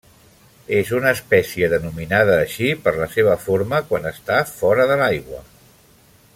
És una espècie denominada així per la seva forma quan està fora de l'aigua.